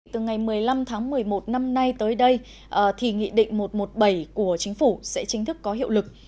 từ ngày một mươi năm tháng một mươi một năm nay tới đây thì nghị định một trăm một mươi bảy của chính phủ sẽ chính thức có hiệu lực